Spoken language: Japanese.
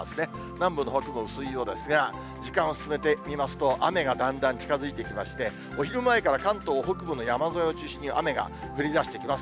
南部のほうは雲薄いようですが、時間を進めてみますと、雨がだんだん近づいてきまして、お昼前から関東北部の山沿いを中心に雨が降りだしてきます。